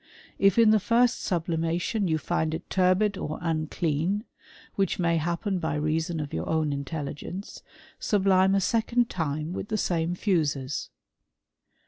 If in the f sublimation you find it turbid or unclean (which n happen by reason of your own negligence), sublim second time with the same fuses."